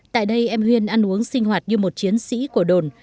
tại đây em huyên ăn uống sinh hoạt như một chiến sĩ của đồn